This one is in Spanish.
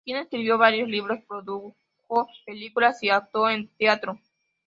King escribió varios libros, produjo películas y actuó en teatro.